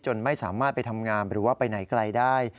ไม่สามารถไปทำงานหรือว่าไปไหนไกลได้